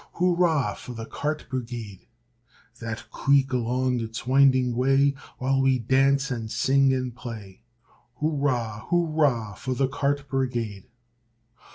Hurrah for the cart brigade! That creak along on its winding way, While we dance and sing and play. Hurrah, hurrah for the cart brigade!